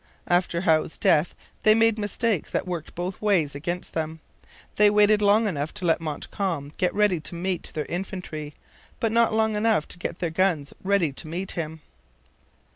After Howe's death they made mistakes that worked both ways against them. They waited long enough to let Montcalm get ready to meet their infantry; but not long enough to get their guns ready to meet him.